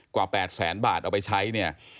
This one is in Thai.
กว่า๘แสนบาทเอาไปใช้เนี่ย